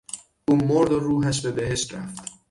او مرد و روحش به بهشت رفت.